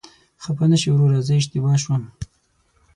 خفه نشې وروره، زه اشتباه شوم.